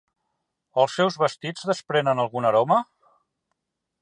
Els seus vestits desprenen alguna aroma?